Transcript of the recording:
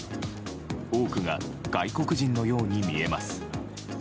多くが、外国人のように見えます。